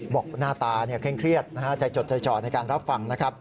บอกหน้าตาเครียดใจจดใจจ่อในการรับฝัง